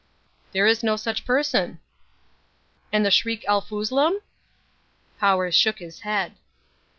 "There is no such person." "And the Shriek el Foozlum?" Powers shook his head.